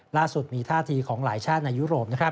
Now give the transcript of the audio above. ล่าสุดมีท่าทีของหลายชาติในยุโรป